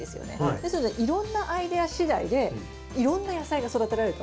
ですのでいろんなアイデアしだいでいろんな野菜が育てられると思うんです。